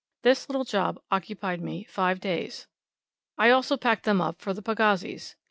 This little job occupied me five days. I also packed them up, for the pagazis.